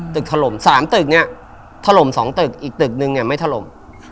ถล่ม๓ตึกเนี่ยถล่ม๒ตึกอีกตึกนึงเนี่ยไม่ถล่ม